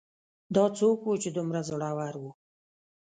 دا څوک و چې دومره زړور و